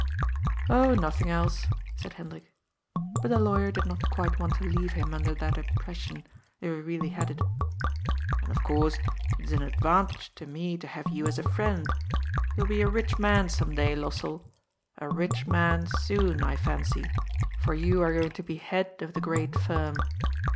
" Oh, nothing else," said Hendrik. But the lawyer did not quite want to leave him under that impression— if he really had it. " And, of course, it is an advantage to me to have you as a friend. You will be a rich man some day, Lossell, a rich man soon, I fancy, for you are going to be head of the great firm.